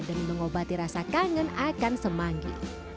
dan mengobati rasa kangen akan semangi